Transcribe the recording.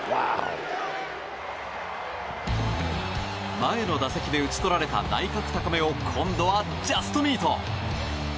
前の打席で打ち取られた内角高めを今度はジャストミート！